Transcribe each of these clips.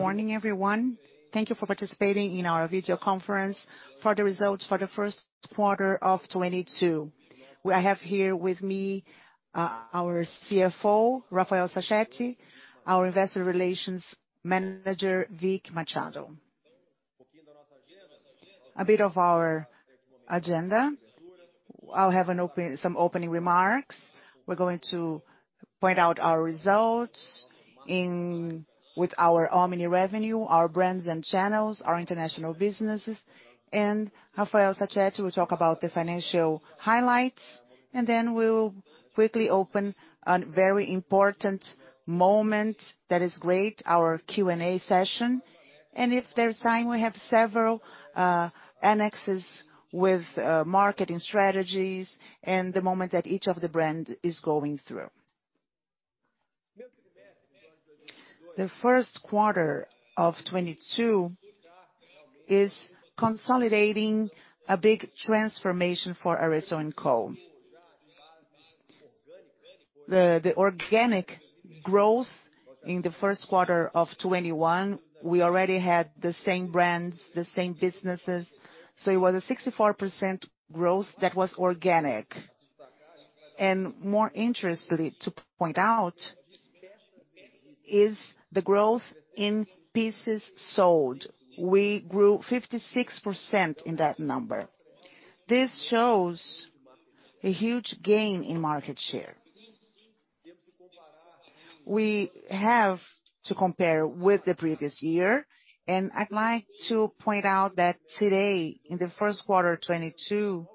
Morning everyone. Thank you for participating in our video conference for the results for the first quarter of 2022. We have here with me our CFO, Rafael Sachete, our Investor Relations Manager, Victoria Machado. A bit of our agenda. I'll have some opening remarks. We're going to point out our results with our omni revenue, our brands and channels, our international businesses. Rafael Sachete will talk about the financial highlights, and then we'll quickly open a very important moment that is great, our Q&A session. If there's time, we have several annexes with marketing strategies and the moment that each of the brand is going through. The first quarter of 2022 is consolidating a big transformation for Arezzo&Co. The organic growth in the first quarter of 2021, we already had the same brands, the same businesses. It was a 64% growth that was organic. More interestingly to point out is the growth in pieces sold. We grew 56% in that number. This shows a huge gain in market share. We have to compare with the previous year, and I'd like to point out that today, in the first quarter 2022,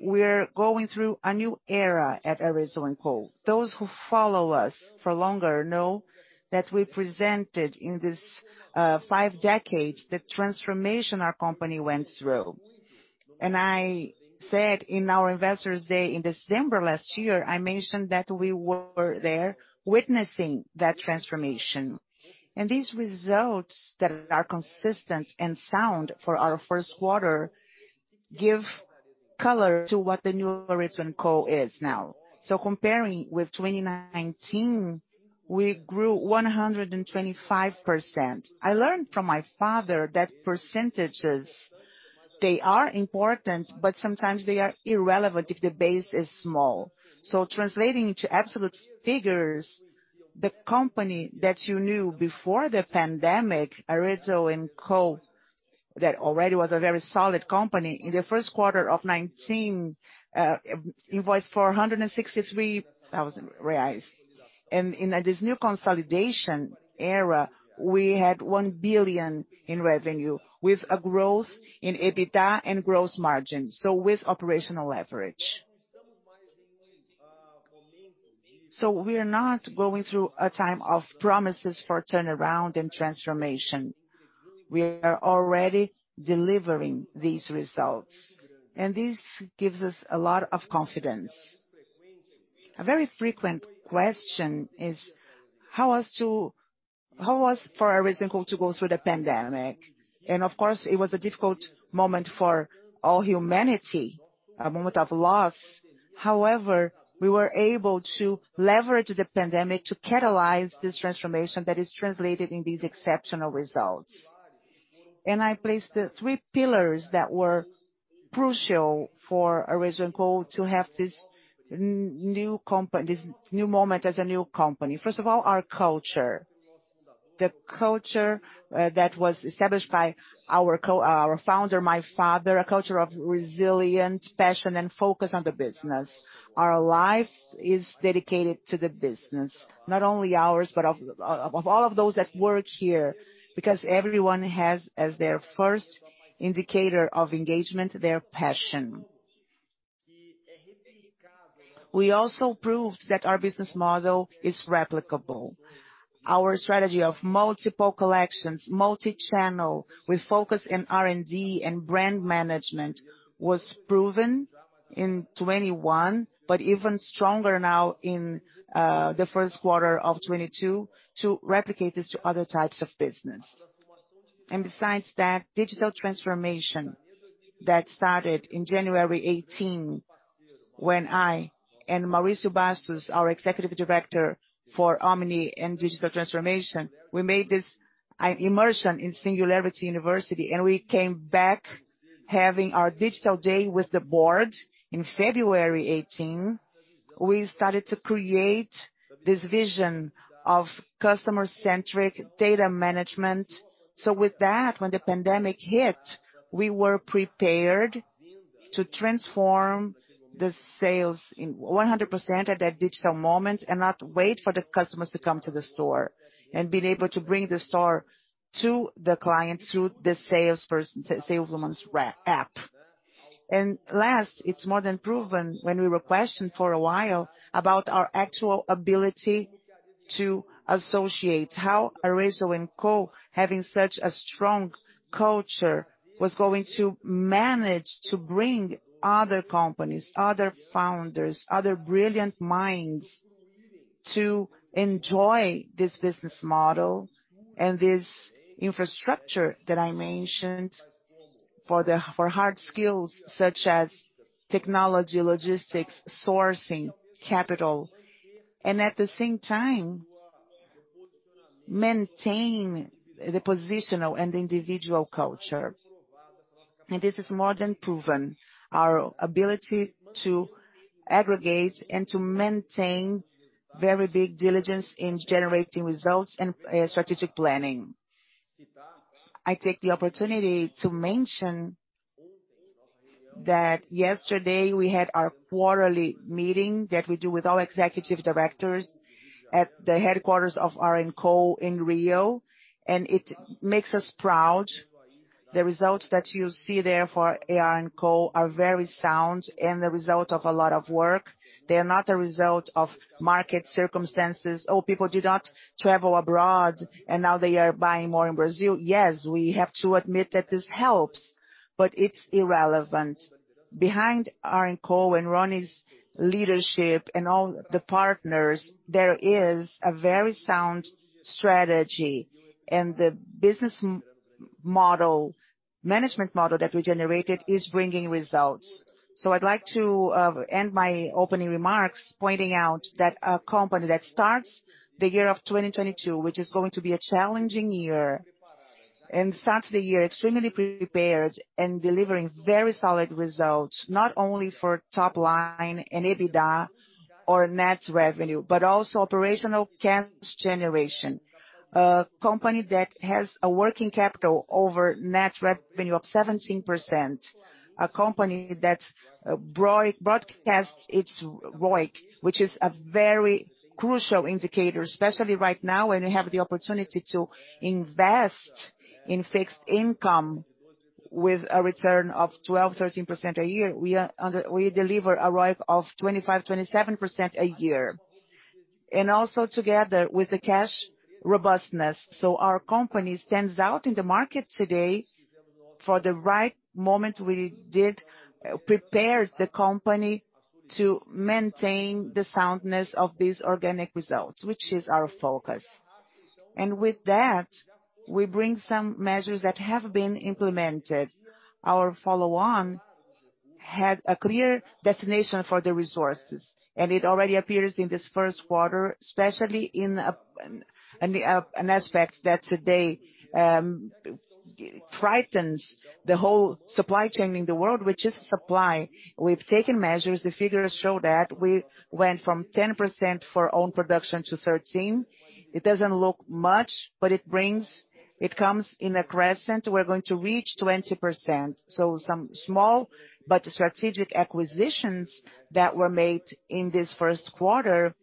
we're going through a new era at Arezzo&Co. Those who follow us for longer know that we presented in this five decades, the transformation our company went through. I said in our investor's day in December last year, I mentioned that we were there witnessing that transformation. These results that are consistent and sound for our first quarter give color to what the new Arezzo&Co is now. Comparing with 2019, we grew 125%. I learned from my father that percentages, they are important, but sometimes they are irrelevant if the base is small. Translating into absolute figures, the company that you knew before the pandemic, Arezzo & Co., that already was a very solid company. In the first quarter of 2019, it was BRL 163,000. In this new consolidation era, we had 1 billion in revenue, with a growth in EBITDA and gross margin, so with operational leverage. We are not going through a time of promises for turnaround and transformation. We are already delivering these results, and this gives us a lot of confidence. A very frequent question is how was for Arezzo & Co. to go through the pandemic? Of course, it was a difficult moment for all humanity, a moment of loss. However, we were able to leverage the pandemic to catalyze this transformation that is translated in these exceptional results. I placed the three pillars that were crucial for Arezzo&Co to have this new moment as a new company. First of all, our culture. The culture that was established by our founder, my father, a culture of resilience, passion and focus on the business. Our life is dedicated to the business, not only ours, but of all of those that work here, because everyone has as their first indicator of engagement, their passion. We also proved that our business model is replicable. Our strategy of multiple collections, multi-channel with focus in R&D and brand management was proven in 2021, but even stronger now in the first quarter of 2022 to replicate this to other types of business. Besides that, digital transformation that started in January 2018, when I and Mauricio Bastos Turquenitch, our executive director for omni and digital transformation, we made this immersion in Singularity University, and we came back having our digital day with the board in February 2018. We started to create this vision of customer-centric data management. With that, when the pandemic hit, we were prepared to transform the sales 100% at that digital moment and not wait for the customers to come to the store and being able to bring the store to the client through the saleswoman's app. Last, it's more than proven when we were questioned for a while about our actual ability to associate how Arezzo&Co. Having such a strong culture was going to manage to bring other companies, other founders, other brilliant minds to enjoy this business model and this infrastructure that I mentioned. For hard skills such as technology, logistics, sourcing, capital, and at the same time maintain the positional and individual culture. This is more than proven our ability to aggregate and to maintain very big diligence in generating results and strategic planning. I take the opportunity to mention that yesterday we had our quarterly meeting that we do with all executive directors at the headquarters of AR&Co in Rio, and it makes us proud. The results that you see there for AR&Co are very sound and the result of a lot of work. They are not a result of market circumstances, or people do not travel abroad and now they are buying more in Brazil. Yes, we have to admit that this helps, but it's irrelevant. Behind AR&Co and Ronnie's leadership and all the partners, there is a very sound strategy, and the business model, management model that we generated is bringing results. I'd like to end my opening remarks pointing out that a company that starts the year of 2022, which is going to be a challenging year, and starts the year extremely prepared and delivering very solid results, not only for top line and EBITDA or net revenue, but also operational cash generation. A company that has a working capital over net revenue of 17%. A company that's broadcasts its ROIC, which is a very crucial indicator, especially right now when we have the opportunity to invest in fixed income with a return of 12%-13% a year. We deliver a ROIC of 25%-27% a year. Also together with the cash robustness. Our company stands out in the market today. For the right moment we did prepare the company to maintain the soundness of these organic results, which is our focus. With that, we bring some measures that have been implemented. Our follow-on had a clear destination for the resources, and it already appears in this first quarter, especially in an aspect that today frightens the whole supply chain in the world, which is supply. We've taken measures. The figures show that we went from 10% for own production to 13%. It doesn't look much, but it comes in a crescent. We're going to reach 20%. Some small but strategic acquisitions that were made in this first quarter,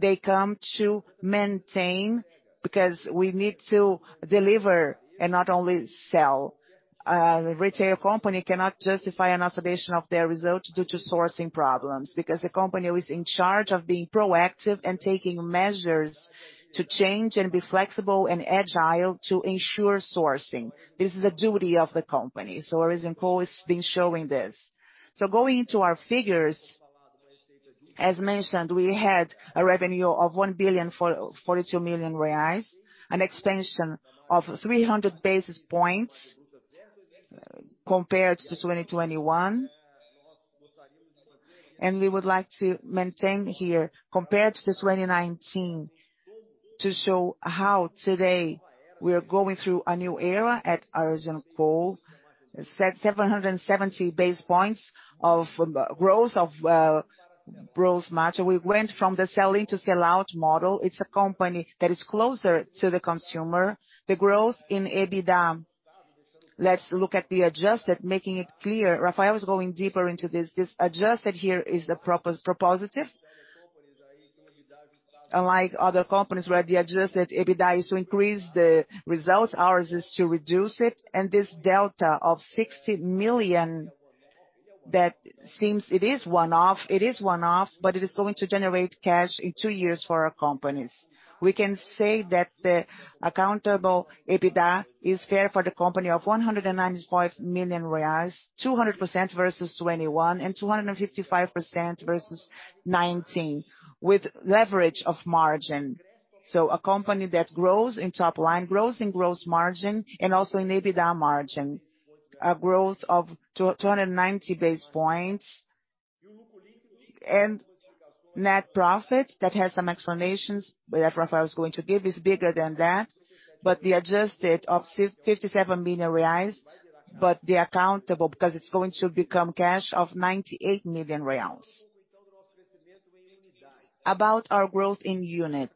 they come to maintain because we need to deliver and not only sell. The retail company cannot justify an oscillation of their results due to sourcing problems because the company was in charge of being proactive and taking measures to change and be flexible and agile to ensure sourcing. This is the duty of the company. Arezzo&Co has been showing this. Going into our figures, as mentioned, we had a revenue of 1,042 million reais, an expansion of 300 basis points compared to 2021. We would like to maintain here compared to 2019 to show how today we are going through a new era at Arezzo&Co. 770 basis points of growth margin. We went from the selling to sell out model. It's a company that is closer to the consumer. The growth in EBITDA. Let's look at the adjusted, making it clear. Rafael is going deeper into this. This adjusted here is the conservative. Unlike other companies where the Adjusted EBITDA is to increase the results, ours is to reduce it. This delta of 60 million, that seems, it is one-off, but it is going to generate cash in two years for our companies. We can say that the accounting EBITDA is fair for the company of 195 million reais, 200% versus 2021 and 255% versus 2019 with leverage of margin. A company that grows in top line, grows in gross margin and also in EBITDA margin. A growth of 290 basis points. Net profit that has some explanations that Rafael is going to give is bigger than that, but the adjusted of 57 million reais, but the accounted because it's going to become cash of 98 million reais. About our growth in units.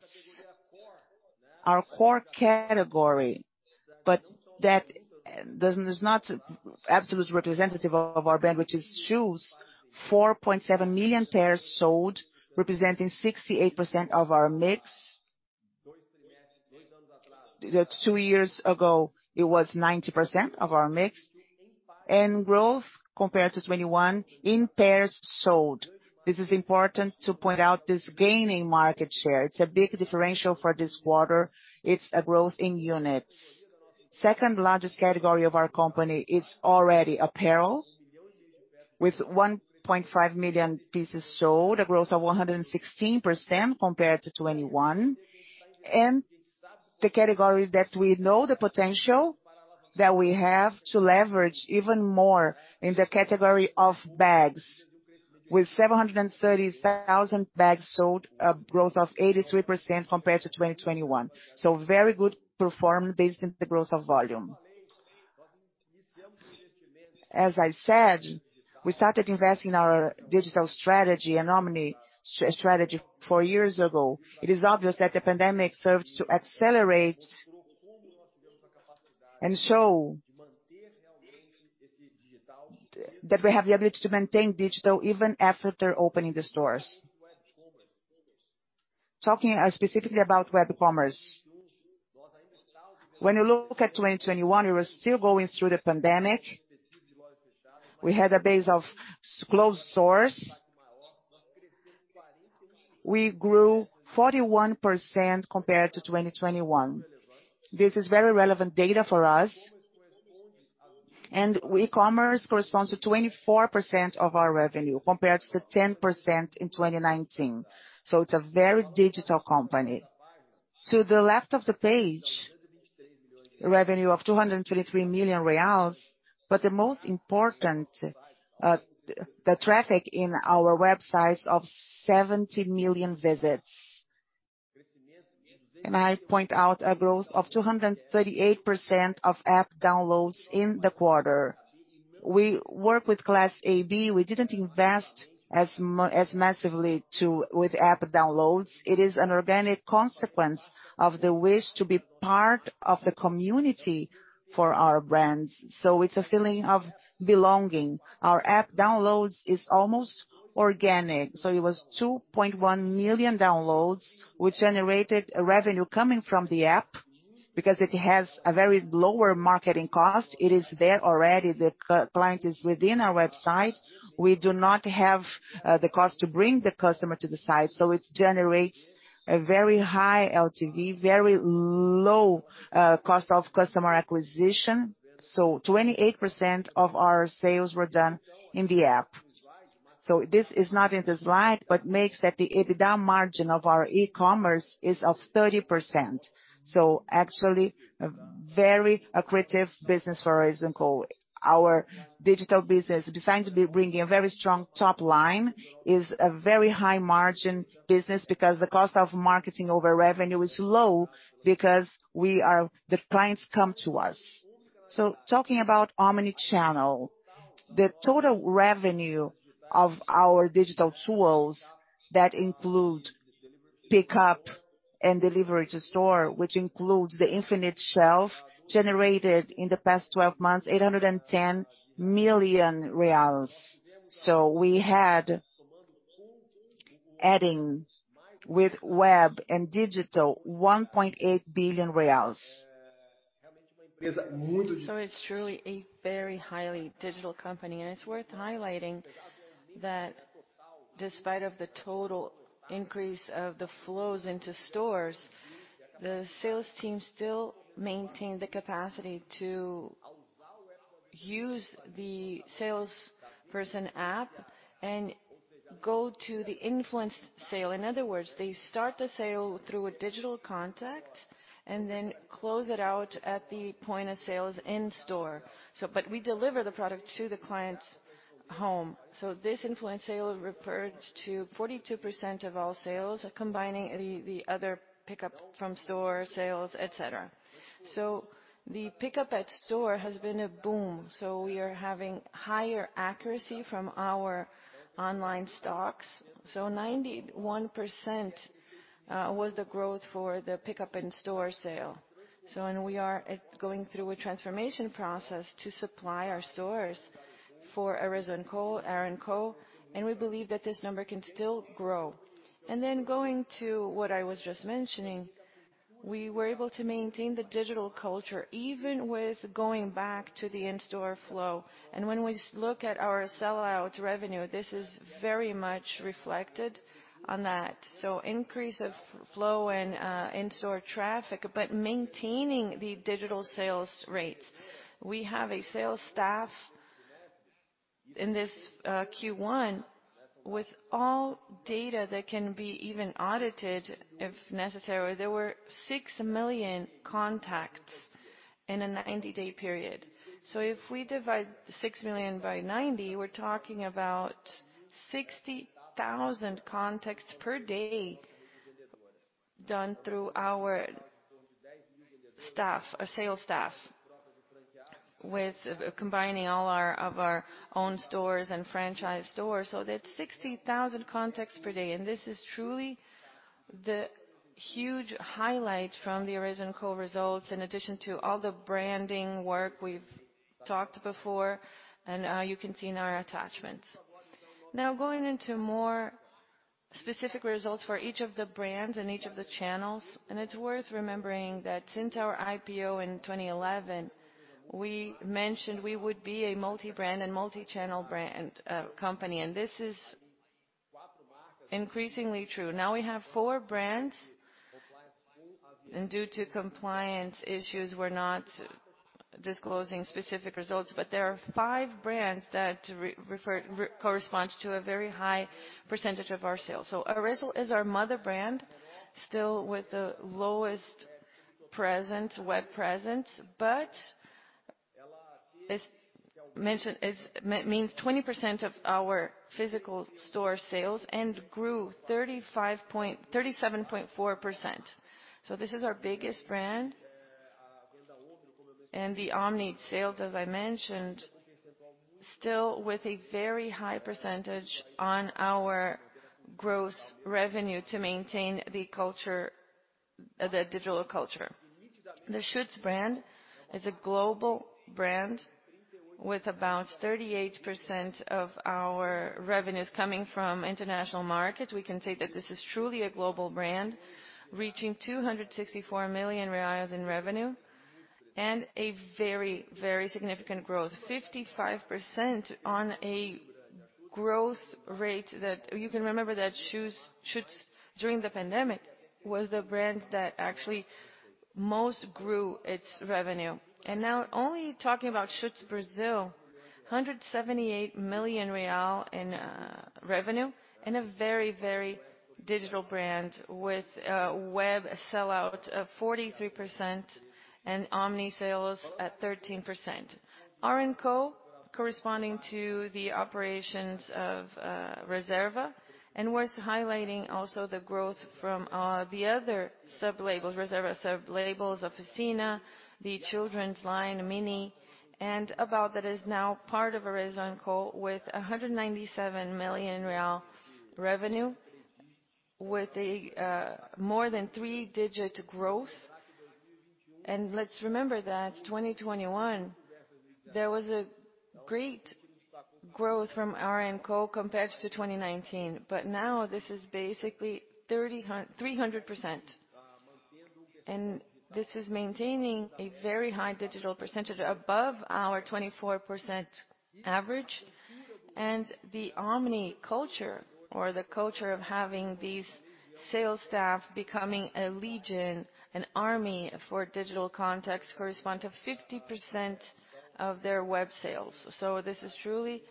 Our core category, but that is not absolutely representative of our brand, which is shoes, 4.7 million pairs sold, representing 68% of our mix. Two years ago, it was 90% of our mix. Growth compared to 2021 in pairs sold. This is important to point out this gaining market share. It's a big differential for this quarter. It's a growth in units. Second largest category of our company is already apparel. With 1.5 million pieces sold, a growth of 116% compared to 2021. The category that we know the potential that we have to leverage even more in the category of bags. With 730,000 bags sold, a growth of 83% compared to 2021. Very good performance based on the growth of volume. As I said, we started investing in our digital strategy and omnichannel strategy four years ago. It is obvious that the pandemic served to accelerate and show that we have the ability to maintain digital even after opening the stores. Talking specifically about web commerce. When you look at 2021, we were still going through the pandemic. We had a base of closed stores. We grew 41% compared to 2021. This is very relevant data for us. E-commerce corresponds to 24% of our revenue, compared to 10% in 2019. It's a very digital company. To the left of the page, revenue of 223 million reais. The most important, the traffic in our websites of 70 million visits. I point out a growth of 238% of app downloads in the quarter. We work with Class A, B. We didn't invest as massively with app downloads. It is an organic consequence of the wish to be part of the community for our brands. It's a feeling of belonging. Our app downloads is almost organic, so it was 2.1 million downloads which generated a revenue coming from the app because it has a very low marketing cost. It is there already. The client is within our website. We do not have the cost to bring the customer to the site, so it generates a very high LTV, very low cost of customer acquisition. Twenty-eight percent of our sales were done in the app. This is not in the slide, but makes that the EBITDA margin of our e-commerce is of 30%. Actually a very accretive business for Arezzo&Co. Our digital business, designed to be bringing a very strong top line, is a very high margin business because the cost of marketing over revenue is low because the clients come to us. Talking about omni channel, the total revenue of our digital tools that include pickup and delivery to store, which includes the infinite shelf, generated in the past twelve months 810 million reais. We had, adding with web and digital, 1.8 billion reais. It's truly a very highly digital company. It's worth highlighting that despite of the total increase of the flows into stores, the sales team still maintain the capacity to use the salesperson app and go to the influenced sale. In other words, they start the sale through a digital contact and then close it out at the point of sales in store. We deliver the product to the client's home. This influenced sale referred to 42% of all sales, combining the other pickup from store sales, et cetera. The pickup at store has been a boom, so we are having higher accuracy from our online stocks. 91% was the growth for the pickup in store sale. We are going through a transformation process to supply our stores for Arezzo&Co, AR&Co, and we believe that this number can still grow. Then going to what I was just mentioning, we were able to maintain the digital culture even with going back to the in-store flow. When we look at our sell out revenue, this is very much reflected on that. Increase of flow and in-store traffic, but maintaining the digital sales rates. We have a sales staff in this Q1 with all data that can be even audited if necessary. There were 6 million contacts in a 90-day period. If we divide 6 million by 90, we're talking about 60,000 contacts per day done through our staff, our sales staff with combining all our own stores and franchise stores. That's 60,000 contacts per day and this is truly the huge highlight from the Arezzo&Co results in addition to all the branding work we've talked before and, you can see in our attachments. Now going into more specific results for each of the brands and each of the channels. It's worth remembering that since our IPO in 2011, we mentioned we would be a multi-brand and multi-channel company. This is increasingly true. Now we have four brands, and due to compliance issues, we're not disclosing specific results, but there are five brands that corresponds to a very high percentage of our sales. Arezzo is our mother brand, still with the lowest web presence, but as mentioned, means 20% of our physical store sales and grew 37.4%. This is our biggest brand. The omni sales, as I mentioned, still with a very high percentage on our gross revenue to maintain the culture, the digital culture. The Schutz brand is a global brand with about 38% of our revenues coming from international markets. We can say that this is truly a global brand, reaching 264 million reais in revenue and a very, very significant growth, 55% on a growth rate that you can remember that Schutz, during the pandemic, was the brand that actually most grew its revenue. Now only talking about Schutz Brazil, 178 million real in revenue and a very, very digital brand with a web sellout of 43% and omni sales at 13%. ARENA corresponding to the operations of Reserva. Worth highlighting also the growth from the other sublabels, Reserva sublabels, Oficina, the children's line Mini, and About that is now part of ARENA with 197 million real revenue with a more than three-digit growth. Let's remember that 2021, there was a great growth from ARENA compared to 2019. Now this is basically 300%. This is maintaining a very high digital percentage above our 24% average. The omnichannel culture or the culture of having these sales staff becoming a legion, an army for digital context correspond to 50% of their web sales. This is truly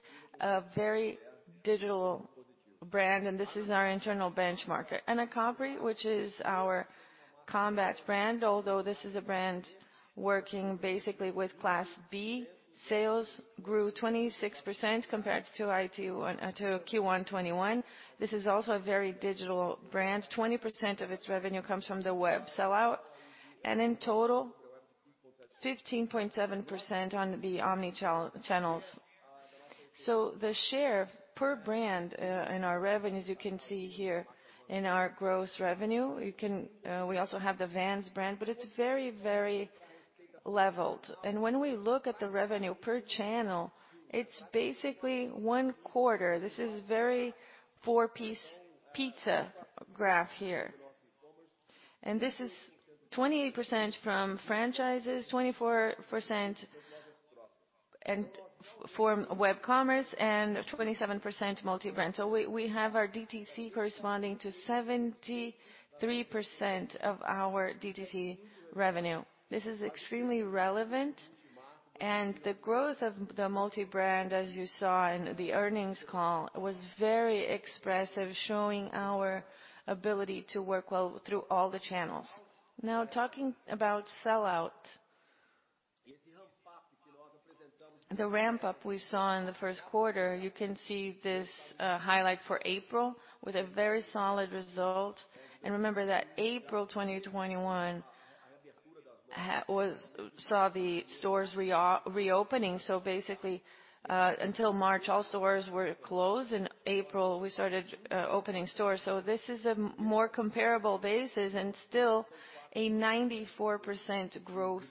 a very digital brand, and this is our internal benchmark. Anacapri, which is our combat brand, although this is a brand working basically with class B, sales grew 26% compared to Q1 2021. This is also a very digital brand. 20% of its revenue comes from the web sellout, and in total, 15.7% on the omni channels. The share per brand in our revenues, you can see here in our gross revenue. We also have the Vans brand, but it's very, very leveled. When we look at the revenue per channel, it's basically one quarter. This is very four-piece pizza graph here. This is 28% from franchises, 24% from web commerce and 27% multi-brand. We have our DTC corresponding to 73% of our DTC revenue. This is extremely relevant, and the growth of the multi-brand, as you saw in the earnings call, was very expressive, showing our ability to work well through all the channels. Now talking about sellout. The ramp up we saw in the first quarter, you can see this, highlight for April with a very solid result. Remember that April 2021 saw the stores reopening. Basically, until March, all stores were closed. In April, we started opening stores. This is a more comparable basis and still a 94% growth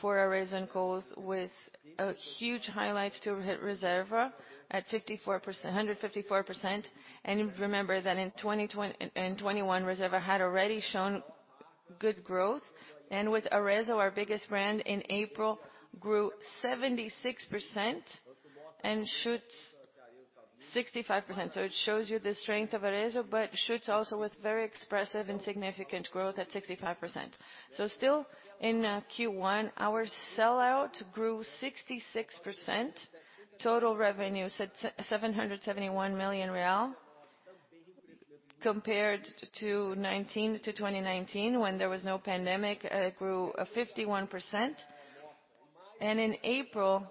for ARENA with a huge highlight to Reserva at 154%. Remember that in 2021, Reserva had already shown good growth. With Arezzo, our biggest brand in April grew 76% and Schutz 65%. It shows you the strength of Arezzo, but Schutz also with very expressive and significant growth at 65%. Still in Q1, our sellout grew 66%. Total revenue, seven hundred and seventy-one million reais compared to 2019 when there was no pandemic, grew 51%. In April,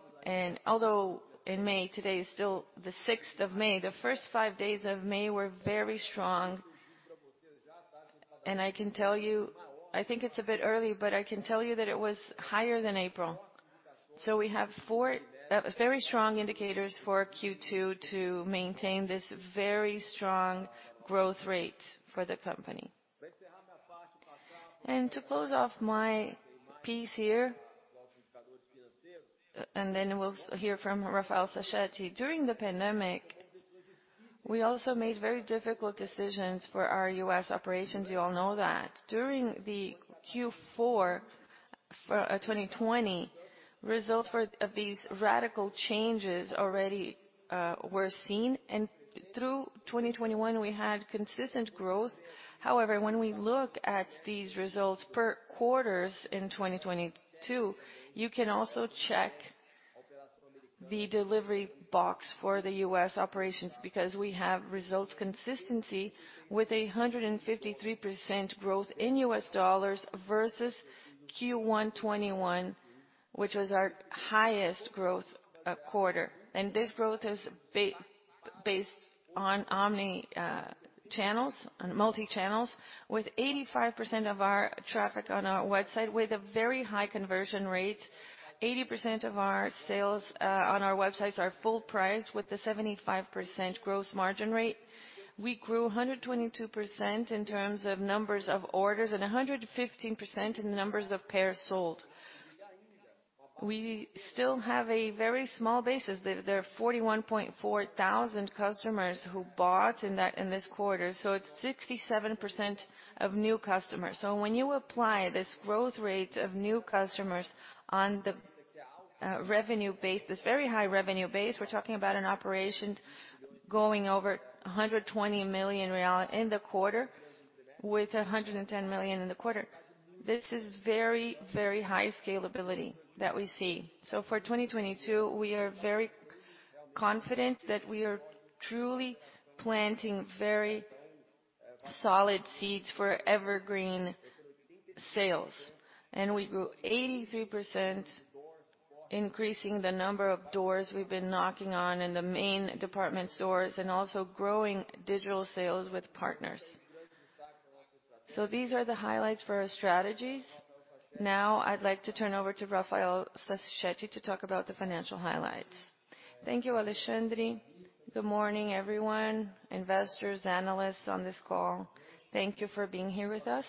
although in May, today is still the 6th of May, the first five days of May were very strong. I can tell you, I think it's a bit early, but I can tell you that it was higher than April. We have four very strong indicators for Q2 to maintain this very strong growth rate for the company. To close off my piece here, then we'll hear from Rafael Sachete. During the pandemic, we also made very difficult decisions for our US operations. You all know that. During the Q4 2020 results of these radical changes already were seen. Through 2021 we had consistent growth. However, when we look at these results per quarters in 2022, you can also check the delivery box for the US operations, because we have results consistency with 153% growth in US dollars versus Q1 2021, which was our highest growth quarter. This growth is based on omni channels and multi-channels with 85% of our traffic on our website with a very high conversion rate. 80% of our sales on our websites are full price with a 75% gross margin rate. We grew 122% in terms of numbers of orders and 115% in the numbers of pairs sold. We still have a very small basis. There are 41,400 customers who bought in this quarter, so it's 67% of new customers. When you apply this growth rate of new customers on the revenue base, this very high revenue base, we're talking about an operation going over 120 million real in the quarter with 110 million BRL in the quarter. This is very, very high scalability that we see. For 2022, we are very confident that we are truly planting very solid seeds for evergreen sales. We grew 83%, increasing the number of doors we've been knocking on in the main department stores and also growing digital sales with partners. These are the highlights for our strategies. Now I'd like to turn over to Rafael Sachete to talk about the financial highlights. Thank you, Alexandre. Good morning, everyone, investors, analysts on this call. Thank you for being here with us.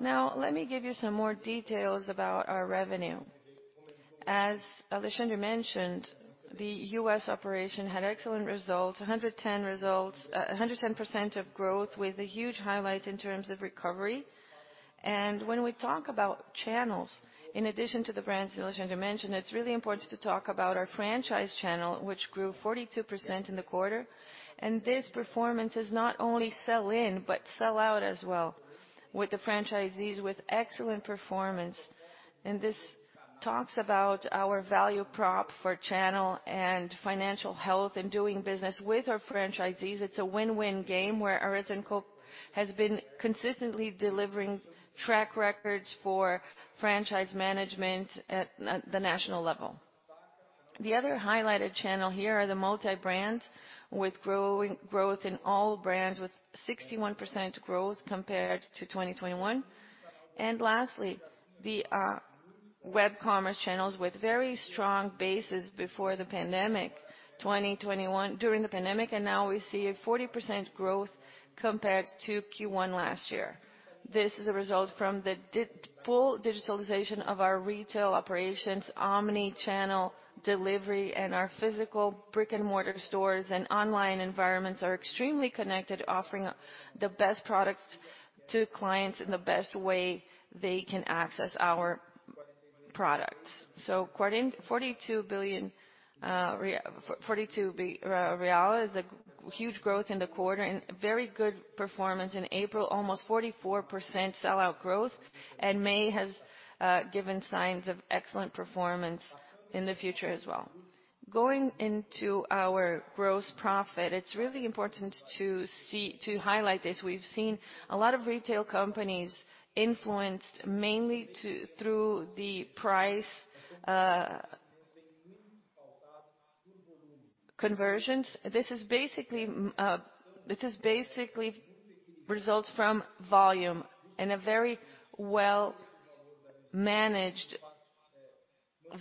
Now, let me give you some more details about our revenue. As Alexandre mentioned, the US operation had excellent results, 100% growth with a huge highlight in terms of recovery. When we talk about channels, in addition to the brands Alexandre mentioned, it's really important to talk about our franchise channel, which grew 42% in the quarter. This performance is not only sell in, but sell out as well with the franchisees with excellent performance. This talks about our value prop for channel and financial health and doing business with our franchisees. It's a win-win game where Arezzo&Co has been consistently delivering track records for franchise management at the national level. The other highlighted channel here are the multi-brands with growth in all brands with 61% growth compared to 2021. Lastly, the web commerce channels with very strong bases before the pandemic, 2021 during the pandemic, and now we see a 40% growth compared to Q1 last year. This is a result from the full digitalization of our retail operations, omni-channel delivery and our physical brick-and-mortar stores and online environments are extremely connected offering the best products to clients in the best way they can access our products. BRL 42 billion is a huge growth in the quarter and very good performance in April, almost 44% sell out growth and May has given signs of excellent performance in the future as well. Going into our gross profit, it's really important to highlight this. We've seen a lot of retail companies influenced mainly through the price conversions. This is basically results from volume in a very well managed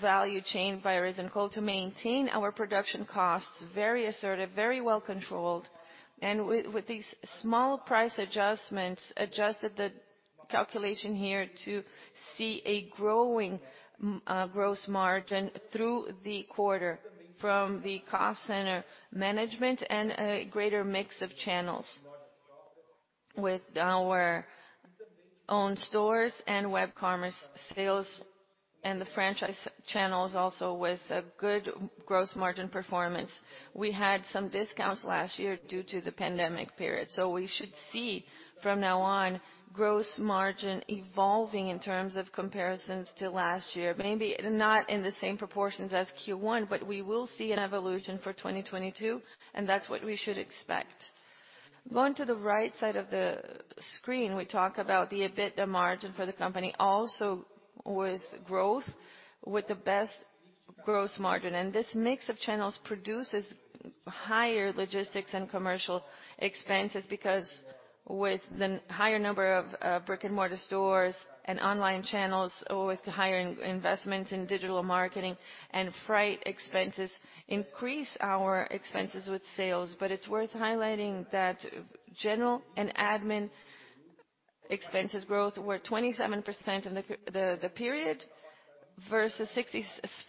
value chain by Arezzo&Co to maintain our production costs, very assertive, very well controlled. With these small price adjustments, adjusted the calculation here to see a growing gross margin through the quarter from the cost center management and a greater mix of channels. With our own stores and web commerce sales and the franchise channels also with a good gross margin performance. We had some discounts last year due to the pandemic period. We should see from now on gross margin evolving in terms of comparisons to last year. Maybe not in the same proportions as Q1, but we will see an evolution for 2022, and that's what we should expect. Going to the right side of the screen, we talk about the EBITDA margin for the company also with growth, with the best gross margin. This mix of channels produces higher logistics and commercial expenses because with the higher number of brick-and-mortar stores and online channels or with higher investments in digital marketing and freight expenses increase our expenses with sales. It's worth highlighting that general and admin expenses growth were 27% in the period versus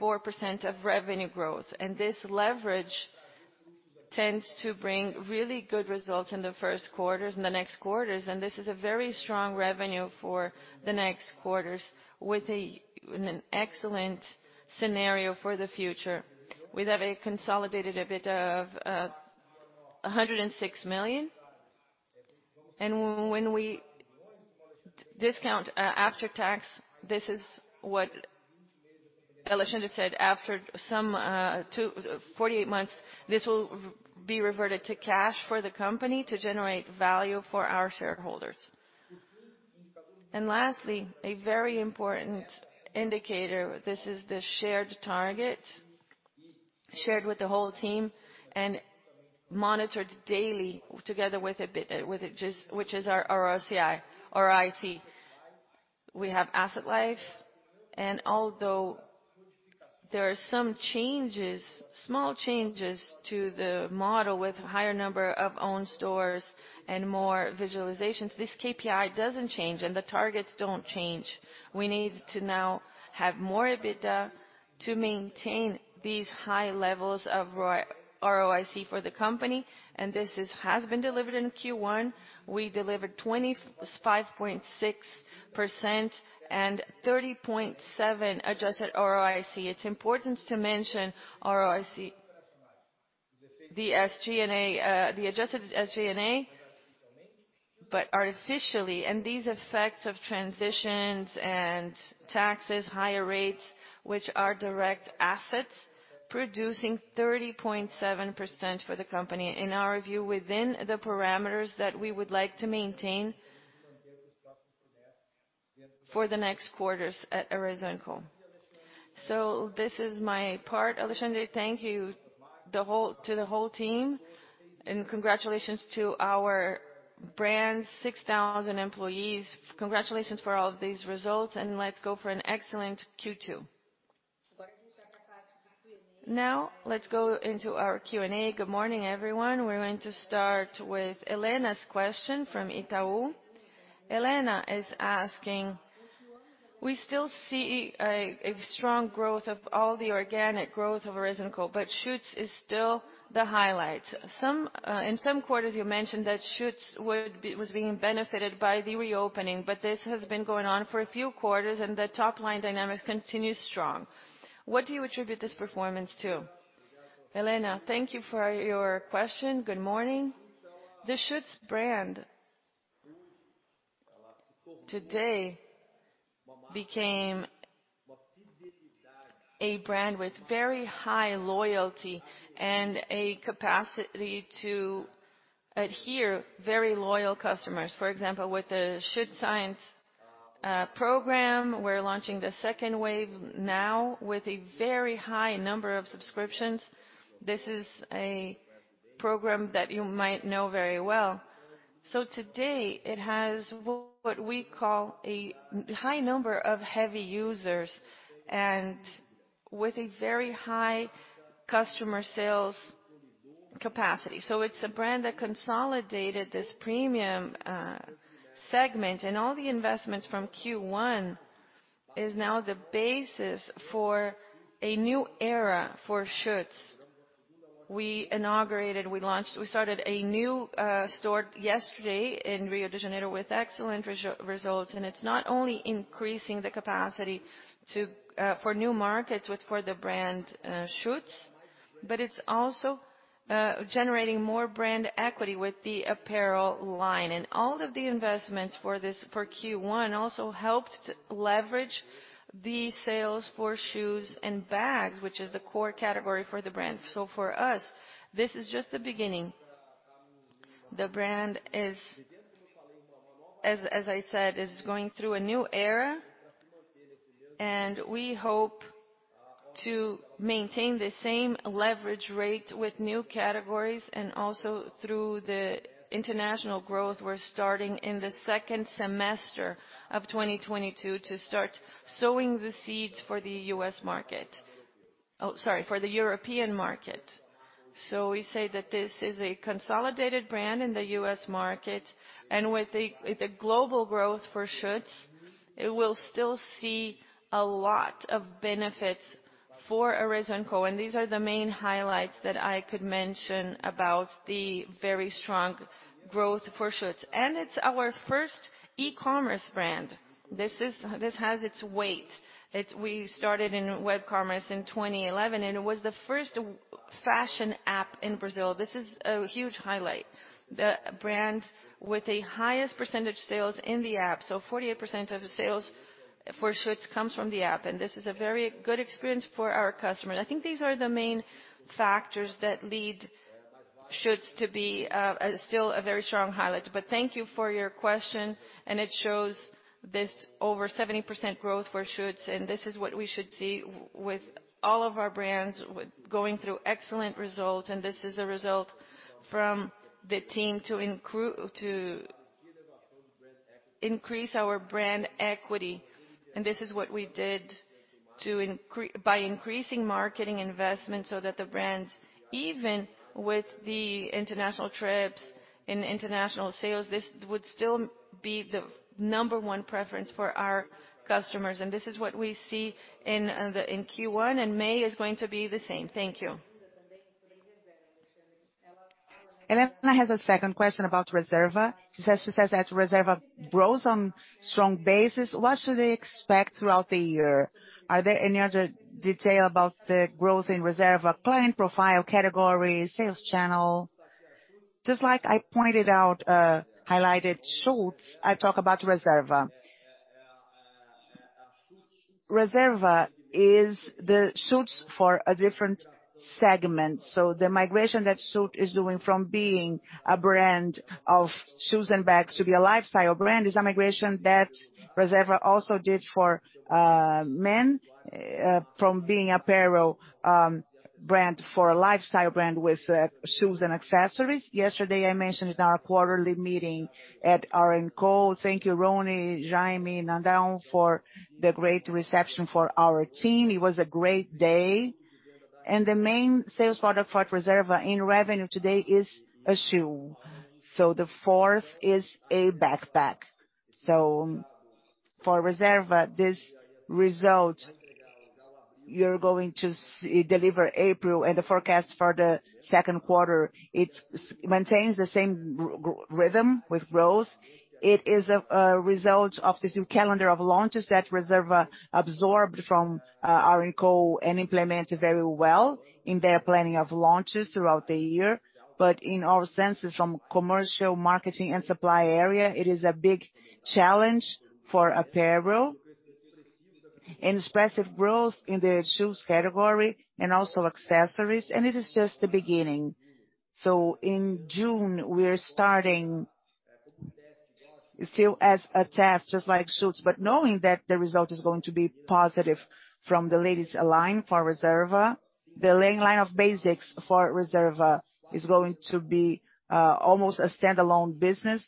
64% of revenue growth. This leverage tends to bring really good results in the first quarters, in the next quarters. This is a very strong revenue for the next quarters with an excellent scenario for the future. We have consolidated 106 million. When we discount after tax, this is what Alexandre said. After some twenty-four to eight months, this will be reverted to cash for the company to generate value for our shareholders. Lastly, a very important indicator. This is the shared target, shared with the whole team and monitored daily together with EBITDA, which is our ROIC. We have asset life, and although there are some changes, small changes to the model with higher number of own stores and more verticalizations, this KPI doesn't change, and the targets don't change. We need to now have more EBITDA to maintain these high levels of ROIC for the company, and this has been delivered in Q1. We delivered 25.6% and 30.7% adjusted ROIC. It's important to mention ROIC, the SG&A, the adjusted SG&A, but artificially, and these effects of transitions and taxes, higher rates, which are direct assets producing 30.7% for the company, in our view, within the parameters that we would like to maintain for the next quarters at Arezzo&Co. This is my part, Alexandre. Thank you to the whole team and congratulations to our brand, 6,000 employees. Congratulations for all of these results, let's go for an excellent Q2. Now let's go into our Q&A. Good morning, everyone. We're going to start with Helena's question from Itaú. Helena is asking, "We still see a strong growth of all the organic growth of Arezzo&Co., but Schutz is still the highlight. Some in some quarters, you mentioned that Schutz was being benefited by the reopening, but this has been going on for a few quarters and the top-line dynamics continue strong. What do you attribute this performance to? Helena, thank you for your question. Good morning. The Schutz brand today became a brand with very high loyalty and a capacity to attract very loyal customers. For example, with the Schutz Science program, we're launching the second wave now with a very high number of subscriptions. This is a program that you might know very well. So today it has what we call a high number of heavy users and with a very high customer sales capacity. So it's a brand that consolidated this premium segment. All the investments from Q1 is now the basis for a new era for Schutz. We started a new store yesterday in Rio de Janeiro with excellent results. It's not only increasing the capacity for new markets for the brand Schutz, but it's also generating more brand equity with the apparel line. All of the investments for Q1 also helped to leverage the sales for shoes and bags, which is the core category for the brand. For us, this is just the beginning. The brand, as I said, is going through a new era, and we hope to maintain the same leverage rate with new categories and also through the international growth we're starting in the second semester of 2022 to start sowing the seeds for the US market. Sorry for the European market. We say that this is a consolidated brand in the U.S. market. With the global growth for Schutz, it will still see a lot of benefits for Arezzo&Co. These are the main highlights that I could mention about the very strong growth for Schutz. It's our first e-commerce brand. This has its weight. We started in web commerce in 2011, and it was the first web fashion app in Brazil. This is a huge highlight. The brand with the highest percentage sales in the app. 48% of the sales for Schutz comes from the app, and this is a very good experience for our customers. I think these are the main factors that lead Schutz to be still a very strong highlight. Thank you for your question, and it shows this over 70% growth for Schutz. This is what we should see with all of our brands going through excellent results. This is a result from the team to increase our brand equity. This is what we did by increasing marketing investment so that the brands, even with the international trips and international sales, this would still be the number one preference for our customers. This is what we see in the in Q1, and May is going to be the same. Thank you. Helena has a second question about Reserva. She says that Reserva grows on strong basis. What should they expect throughout the year? Are there any other detail about the growth in Reserva client profile category, sales channel? Just like I pointed out, highlighted Schutz, I talk about Reserva. Reserva is the Schutz for a different segment. The migration that Schutz is doing from being a brand of shoes and bags to be a lifestyle brand is a migration that Reserva also did to men from being apparel brand to a lifestyle brand with shoes and accessories. Yesterday, I mentioned in our quarterly meeting at AR&Co. Thank you, Ronnie, Jamie, Nadel for the great reception for our team. It was a great day. The main sales product for Reserva in revenue today is a shoe. The fourth is a backpack. For Reserva, this result, you're going to see, deliver in April and the forecast for the second quarter, it maintains the same rhythm with growth. It is a result of this new calendar of launches that Reserva absorbed from AR&Co and implemented very well in their planning of launches throughout the year. In our sense, from commercial marketing and supply area, it is a big challenge for apparel. Impressive growth in the shoes category and also accessories, and it is just the beginning. In June, we are starting still as a test, just like Schutz, but knowing that the result is going to be positive from the latest line for Reserva. The main line of basics for Reserva is going to be almost a standalone business.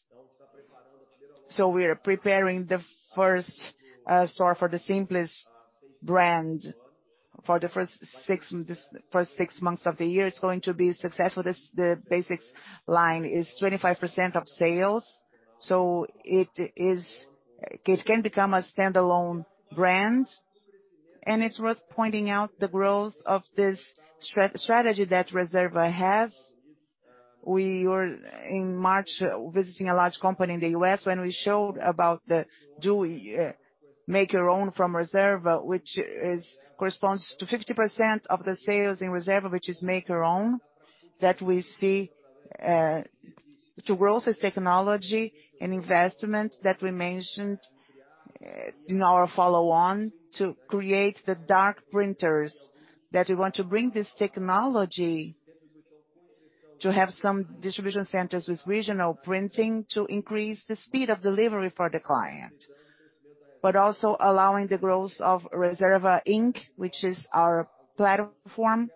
We are preparing the first store for the simplest brand for the first six months of the year. It's going to be successful. This, the basics line is 25% of sales, so it can become a standalone brand. It's worth pointing out the growth of this strategy that Reserva has. We were in March visiting a large company in the U.S. when we showed the make your own from Reserva, which corresponds to 50% of the sales in Reserva, which is make your own that we see the growth as technology and investment that we mentioned in our follow on to create the dark stores that we want to bring this technology to have some distribution centers with regional printing to increase the speed of delivery for the client. Allowing the growth of Reserva INK, which is our platform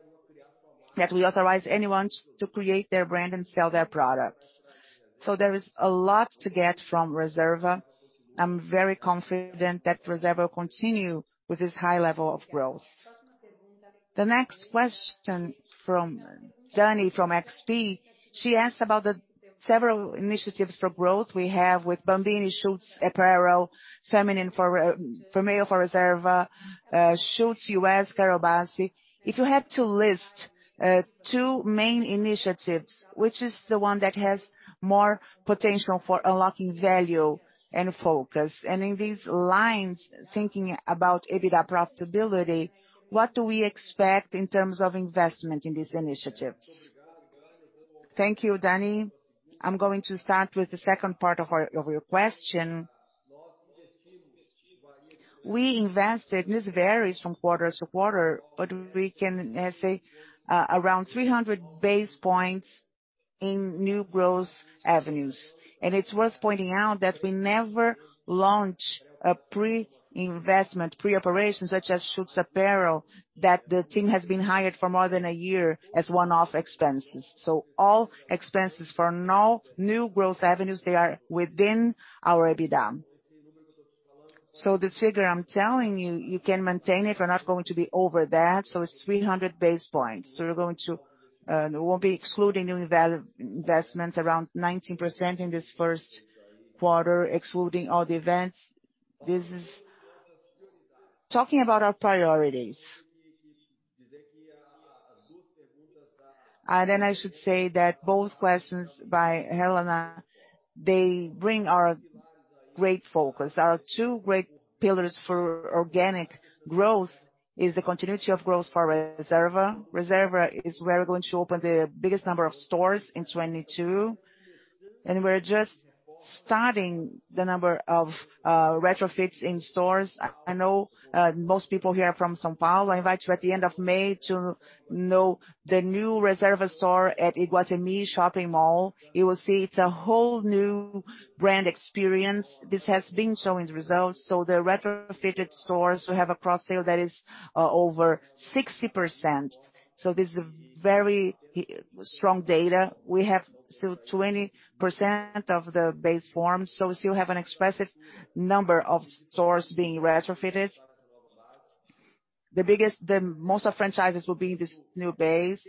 that we authorize anyone to create their brand and sell their products. There is a lot to get from Reserva. I'm very confident that Reserva continue with this high level of growth. The next question from Dani from XP, she asked about the several initiatives for growth we have with Bambini, Schutz apparel, feminine for male for Reserva, Schutz US, Carol Bassi. If you had to list two main initiatives, which is the one that has more potential for unlocking value and focus? And in these lines, thinking about EBITDA profitability, what do we expect in terms of investment in these initiatives? Thank you, Dani. I'm going to start with the second part of your question. We invested, this varies from quarter to quarter, but we can say around 300 basis points in new growth avenues. It's worth pointing out that we never launch a pre-investment, pre-operation such as Schutz apparel, that the team has been hired for more than a year as one-off expenses. All expenses for now, new growth avenues, they are within our EBITDA. This figure I'm telling you can maintain it. We're not going to be over that. It's 300 basis points. We're going to, we'll be excluding new investments around 19% in this first quarter, excluding all the events. This is talking about our priorities. Then I should say that both questions by Helena, they bring our great focus. Our two great pillars for organic growth is the continuity of growth for Reserva. Reserva is where we're going to open the biggest number of stores in 2022, and we're just starting the number of retrofits in stores. I know most people here are from São Paulo. I invite you at the end of May to know the new Reserva store at Iguatemi Shopping Mall. You will see it's a whole new brand experience. This has been showing results. The retrofitted stores, we have a cross sale that is over 60%. This is a very strong data. We have still 20% of the base form. We still have an expressive number of stores being retrofitted. The most of franchises will be in this new base.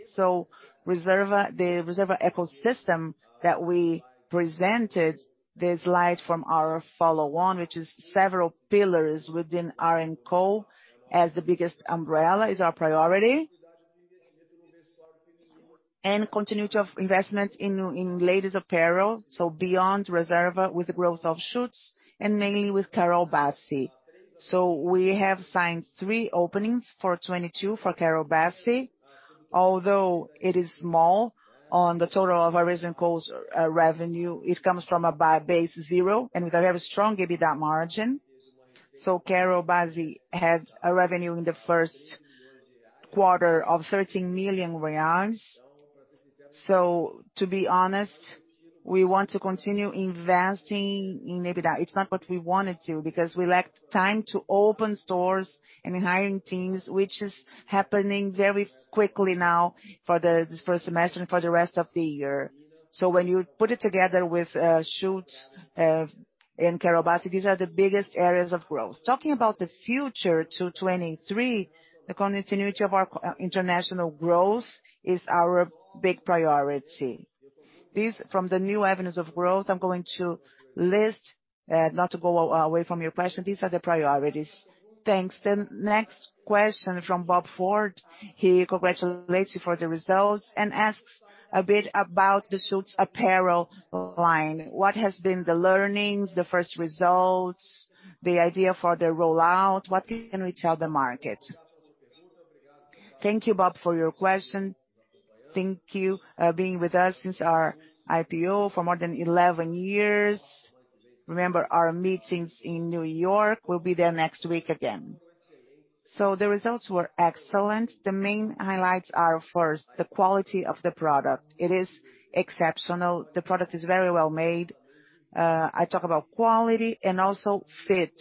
Reserva, the Reserva ecosystem that we presented, the slide from our follow-on, which is several pillars within AR&Co as the biggest umbrella, is our priority. Continuity of investment in ladies apparel, beyond Reserva with the growth of Schutz and mainly with Carol Bassi. We have signed 3 openings for 2022 for Carol Bassi. Although it is small on the total of our recent costs, revenue, it comes from a base zero and with a very strong EBITDA margin. Carol Bassi had a revenue in the first quarter of 13 million reais. To be honest, we want to continue investing in EBITDA. It's not what we wanted to because we lacked time to open stores and hiring teams, which is happening very quickly now for this first semester and for the rest of the year. When you put it together with Schutz and Carol Bassi, these are the biggest areas of growth. Talking about the future to 2023, the continuity of our international growth is our big priority. From the new avenues of growth, I'm going to list, not to go away from your question, these are the priorities. Thanks. The next question from Robert Ford. He congratulates you for the results and asks a bit about the Schutz apparel line. What has been the learnings, the first results, the idea for the rollout? What can we tell the market? Thank you, Robert, for your question. Thank you, being with us since our IPO for more than 11 years. Remember our meetings in New York. We'll be there next week again. The results were excellent. The main highlights are, first, the quality of the product. It is exceptional. The product is very well made. I talk about quality and also fit.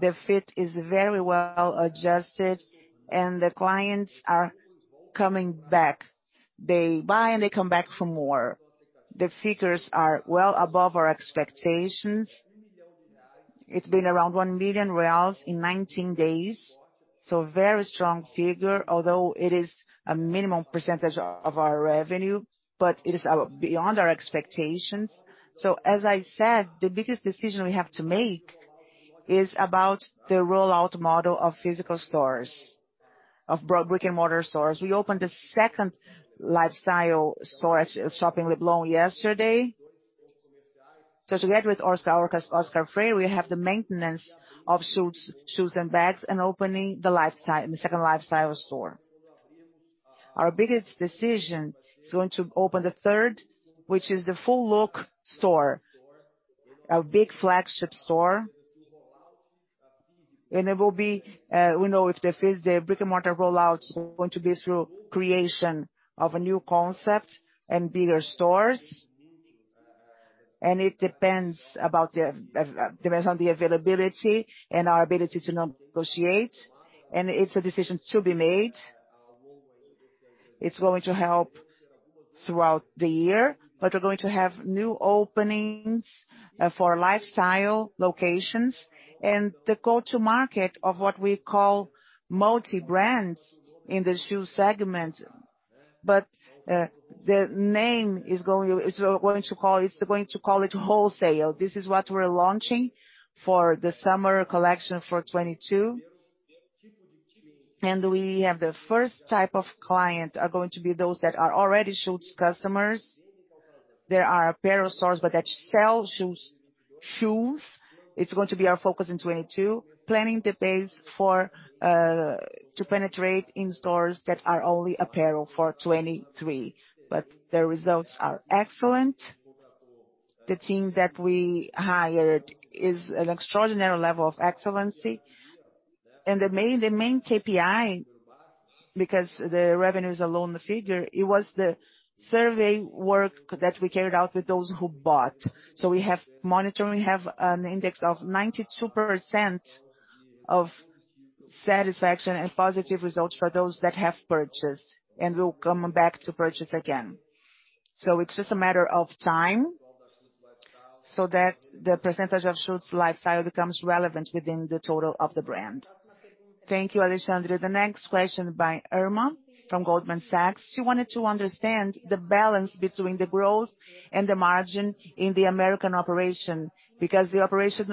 The fit is very well adjusted, and the clients are coming back. They buy, and they come back for more. The figures are well above our expectations. It's been around 1 million reais in 19 days, so very strong figure, although it is a minimum percentage of our revenue, but it is beyond our expectations. As I said, the biggest decision we have to make is about the rollout model of physical stores, brick-and-mortar stores. We opened the second lifestyle store at Shopping Leblon yesterday. Together with Oscar Freire, we have the maintenance of Schutz shoes and bags and opening the second lifestyle store. Our biggest decision is going to open the third, which is the full look store, a big flagship store. It will be we know if the brick-and-mortar rollout is going to be through creation of a new concept and bigger stores. It depends on the availability and our ability to negotiate, and it's a decision to be made. It's going to help throughout the year, but we're going to have new openings for lifestyle locations and the go-to-market of what we call multi-brands in the shoe segment. We're going to call it wholesale. This is what we're launching for the summer collection for 2022. We have the first type of clients are going to be those that are already Schutz customers. They are apparel stores but that sell Schutz shoes. It's going to be our focus in 2022, planning the base for to penetrate in stores that are only apparel for 2023. The results are excellent. The team that we hired is an extraordinary level of excellence. The main KPI, because the revenue is a low figure, it was the survey work that we carried out with those who bought. We have monitoring. We have an index of 92% of satisfaction and positive results for those that have purchased and will come back to purchase again. It's just a matter of time so that the percentage of Schutz lifestyle becomes relevant within the total of the brand. Thank you, Alexandre. The next question by Irma from Goldman Sachs. She wanted to understand the balance between the growth and the margin in the American operation because the operation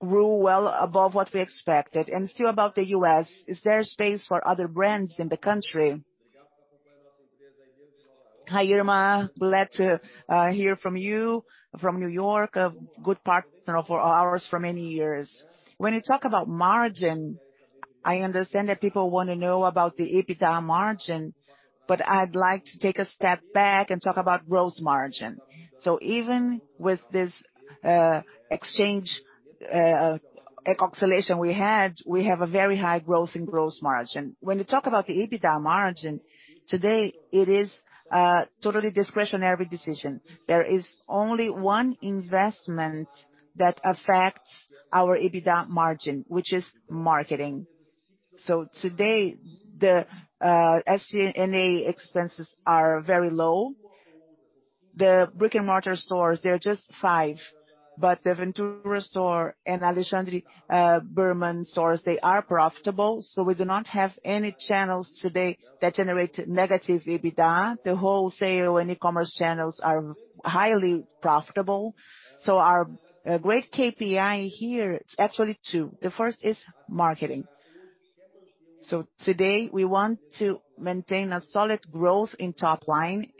grew well above what we expected. Still about the US, is there space for other brands in the country? Hi, Irma. Glad to hear from you from New York, a good partner of ours for many years. When you talk about margin, I understand that people wanna know about the EBITDA margin, but I'd like to take a step back and talk about gross margin. Even with this exchange fluctuation we had, we have a very high growth in gross margin. When you talk about the EBITDA margin, today, it is totally discretionary decision. There is only one investment that affects our EBITDA margin, which is marketing. Today the SG&A expenses are very low. The brick-and-mortar stores, they're just five, but the Aventura store and Alexandre Birman stores, they are profitable, so we do not have any channels today that generate negative EBITDA. The wholesale and e-commerce channels are highly profitable. Our great KPI here, it's actually two. The first is marketing. Today we want to maintain a solid growth in top line.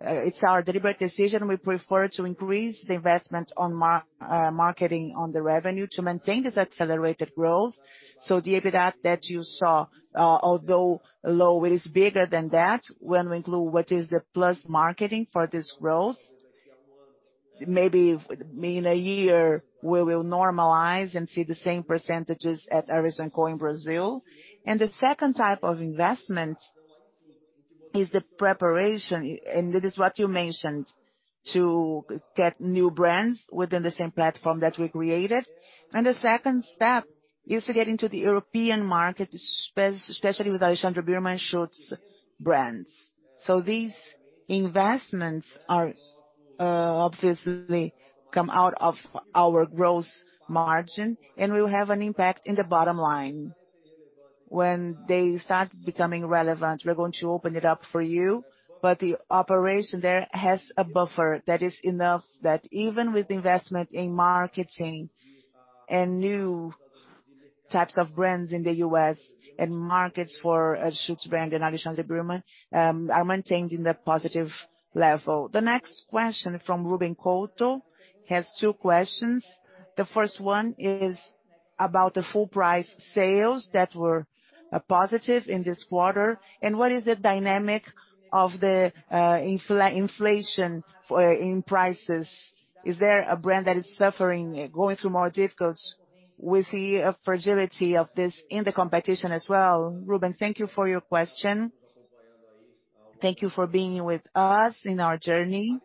It's our deliberate decision. We prefer to increase the investment on marketing on the revenue to maintain this accelerated growth. The EBITDA that you saw, although low, it is bigger than that when we include what is the plus marketing for this growth. Maybe in a year we will normalize and see the same percentages as Arezzo&Co in Brazil. The second type of investment is the preparation, and it is what you mentioned, to get new brands within the same platform that we created. The second step is to get into the European market, especially with Alexandre Birman shoe brand. These investments obviously come out of our gross margin and will have an impact in the bottom line. When they start becoming relevant, we're going to open it up for you, but the operation there has a buffer that is enough that even with investment in marketing and new types of brands in the US and markets for a shoe brand and Alexandre Birman, are maintained in the positive level. The next question from Ruben Couto has two questions. The first one is about the full price sales that were positive in this quarter. What is the dynamic of the inflation in prices? Is there a brand that is suffering, going through more difficulties? We see a fragility of this in the competition as well. Ruben, thank you for your question. Thank you for being with us in our journey.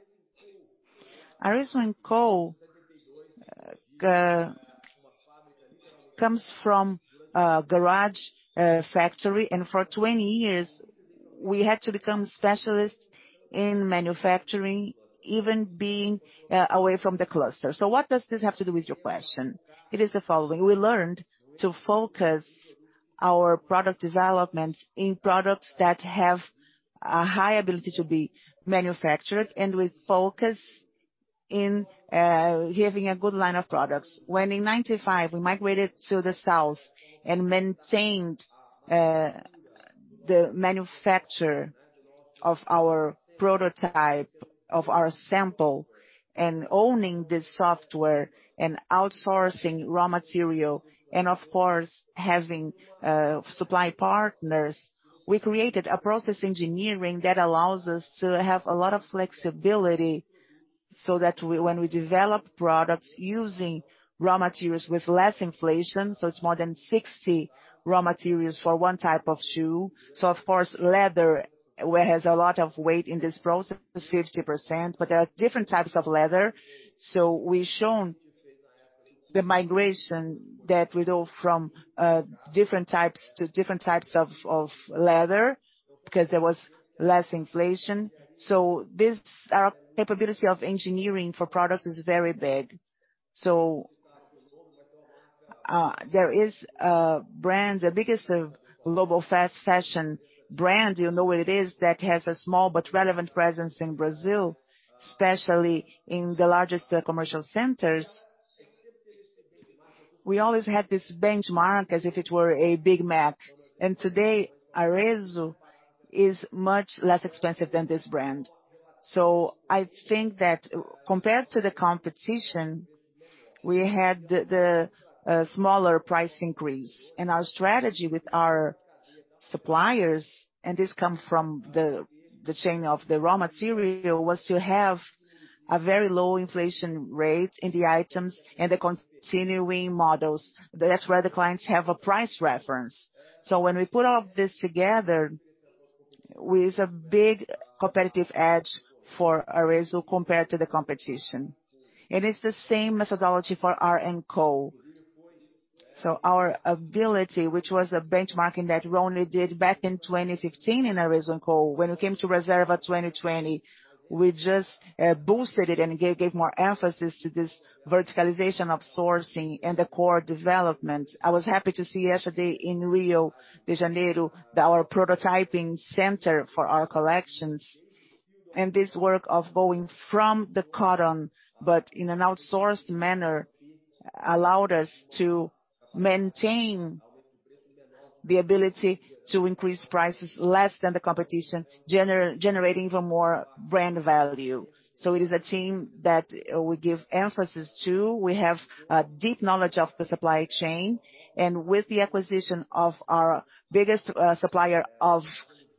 Arezzo&Co comes from a garage factory, and for 20 years we had to become specialists in manufacturing, even being away from the cluster. What does this have to do with your question? It is the following. We learned to focus our product development in products that have a high ability to be manufactured, and we focus in having a good line of products. In 1995 we migrated to the south and maintained the manufacture of our prototype, of our sample, and owning the software and outsourcing raw material and of course, having supply partners, we created a process engineering that allows us to have a lot of flexibility so that when we develop products using raw materials with less inflation, so it's more than 60 raw materials for one type of shoe. Of course, leather, where has a lot of weight in this process, is 50%, but there are different types of leather. We've shown the migration that we do from different types to different types of leather because there was less inflation. This, our capability of engineering for products is very big. There is a brand, the biggest of global fast fashion brand, you know what it is, that has a small but relevant presence in Brazil, especially in the largest commercial centers. We always had this benchmark as if it were a Big Mac. Today, Arezzo is much less expensive than this brand. I think that compared to the competition, we had the smaller price increase. Our strategy with our suppliers, and this come from the chain of the raw material, was to have a very low inflation rate in the items and the continuing models. That's where the clients have a price reference. When we put all of this together with a big competitive edge for Arezzo compared to the competition. It is the same methodology for AR&Co. Our ability, which was a benchmarking that we only did back in 2015 in Arezzo&Co, when it came to Reserva 2020, we just boosted it and gave more emphasis to this verticalization of sourcing and the core development. I was happy to see yesterday in Rio de Janeiro that our prototyping center for our collections, and this work of going from the cotton, but in an outsourced manner, allowed us to maintain the ability to increase prices less than the competition, generating even more brand value. It is a team that we give emphasis to. We have deep knowledge of the supply chain, and with the acquisition of our biggest supplier of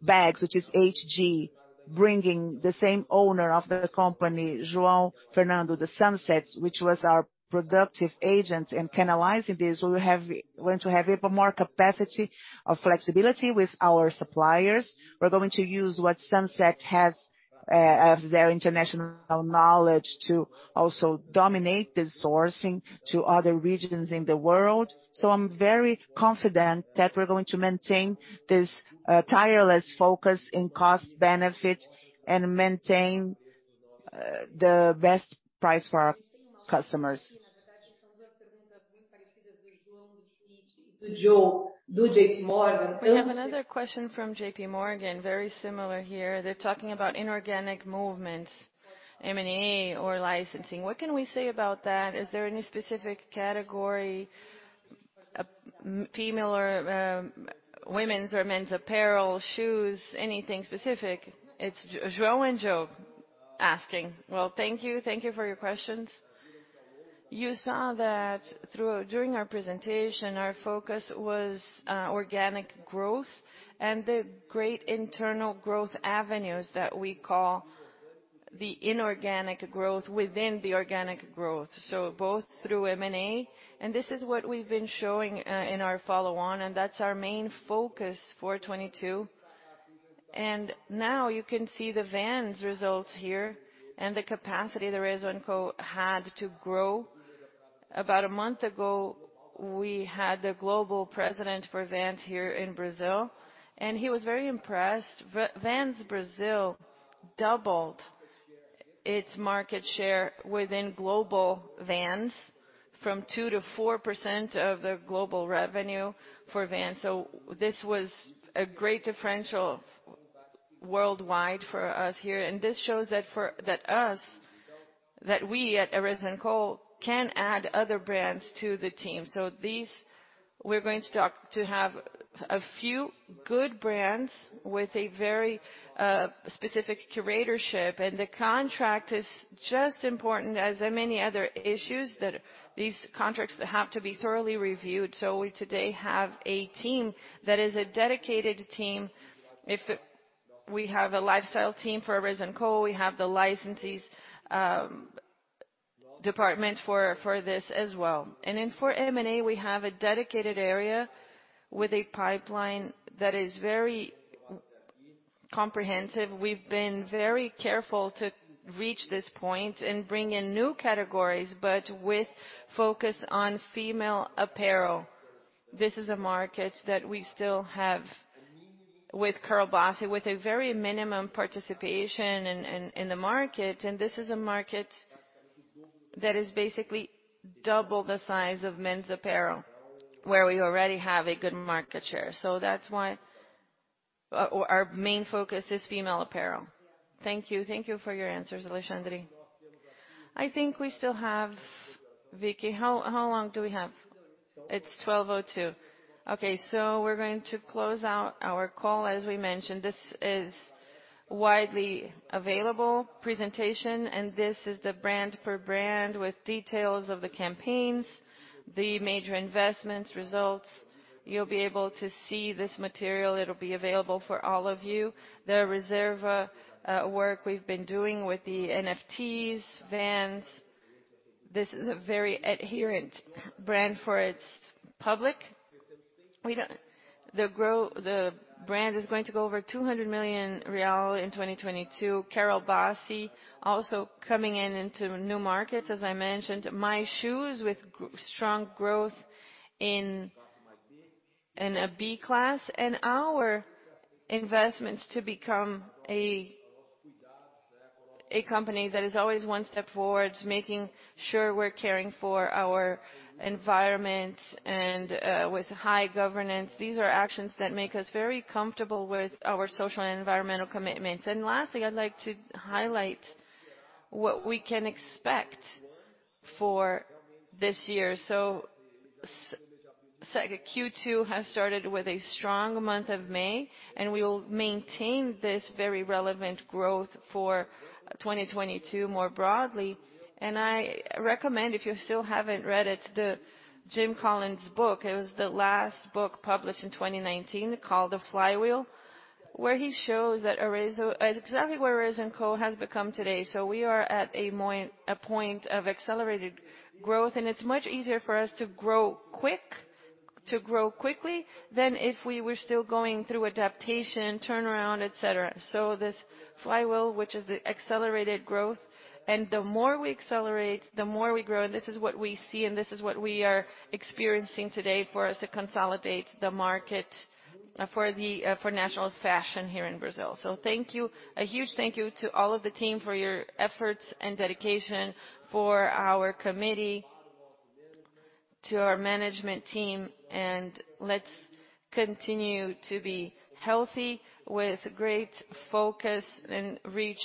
bags, which is HG, bringing the same owner of the company, João Fernando de Souza, which was our productive agent, and analyzing this, we're going to have even more capacity of flexibility with our suppliers. We're going to use what Sunset has of their international knowledge to also dominate the sourcing to other regions in the world. I'm very confident that we're going to maintain this tireless focus in cost benefit and maintain the best price for our customers. We have another question from JPMorgan, very similar here. They're talking about inorganic movements. M&A or licensing. What can we say about that? Are there any specific category, female or women's or men's apparel, shoes, anything specific? It's João Anjo asking. Well, thank you. Thank you for your questions. You saw that during our presentation; our focus was organic growth and the great internal growth avenues that we call the inorganic growth within the organic growth. So, both through M&A, and this is what we've been showing in our follow-on, and that's our main focus for 2022. Now you can see the Vans results here and the capacity the Arezzo & Co. had to grow. About a month ago, we had the global president for Vans here in Brazil, and he was very impressed. Vans Brazil doubled its market share within global Vans from 2%-4% of the global revenue for Vans. This was a great differential worldwide for us here. This shows that we at Arezzo&Co can add other brands to the team. We're going to talk to have a few good brands with a very specific curatorship. The contract is just as important as many other issues that these contracts have to be thoroughly reviewed. We today have a team that is a dedicated team. If we have a lifestyle team for Arezzo&Co, we have the licensee's department for this as well. Then for M&A, we have a dedicated area with a pipeline that is very comprehensive. We've been very careful to reach this point and bring in new categories, but with focus on female apparel. This is a market that we still have with Carol Bassi, with a very minimum participation in the market. This is a market that is basically double the size of men's apparel, where we already have a good market share. That's why our main focus is female apparel. Thank you. Thank you for your answers, Alexandre. I think we still have Vicky, how long do we have? It's 12:02. Okay, we're going to close out our call. As we mentioned, this is widely available presentation, and this is the brand per brand with details of the campaigns, the major investments, results. You'll be able to see this material. It'll be available for all of you. The Reserva work we've been doing with the NFTs, Vans. This is a very adherent brand for its public. The brand is going to go over 200 million real in 2022. Carol Bassi also coming into new markets, as I mentioned. My Shoes with strong growth in a B-class. Our investments to become a company that is always one step forward, making sure we're caring for our environment and with high governance. These are actions that make us very comfortable with our social and environmental commitments. Lastly, I'd like to highlight what we can expect for this year. Q2 has started with a strong month of May, and we will maintain this very relevant growth for 2022 more broadly. I recommend, if you still haven't read it, the Jim Collins book. It was the last book published in 2019 called Turning the Flywheel, where he shows that Arezzo is exactly where Arezzo&Co. has become today. We are at a point of accelerated growth, and it's much easier for us to grow quickly than if we were still going through adaptation, turnaround, et cetera. This flywheel, which is the accelerated growth, and the more we accelerate, the more we grow. This is what we see, and this is what we are experiencing today for us to consolidate the market for the for national fashion here in Brazil. Thank you. A huge thank you to all of the team for your efforts and dedication, for our committee, to our management team. Let's continue to be healthy with great focus and reach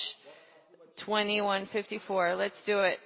A2154. Let's do it.